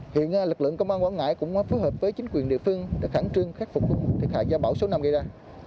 hiện lực lượng công an quảng ngãi cũng phối hợp với chính quyền địa phương để khẳng trương khắc phục thiệt hại do bão số năm gây ra